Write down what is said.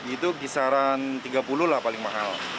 itu kisaran tiga puluh lah paling mahal